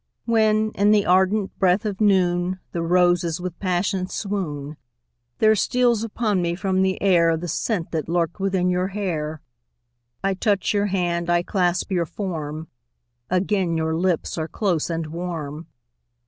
When, in the ardent breath of noon, The roses with passion swoon; There steals upon me from the air The scent that lurked within your hair; I touch your hand, I clasp your form Again your lips are close and warm.